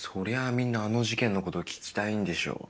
みんなあの事件のこと聞きたいんでしょ